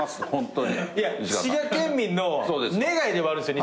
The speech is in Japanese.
滋賀県民の願いでもあるんですよ